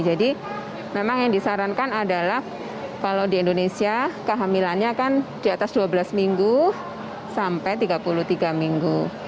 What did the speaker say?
jadi memang yang disarankan adalah kalau di indonesia kehamilannya kan di atas dua belas minggu sampai tiga puluh tiga minggu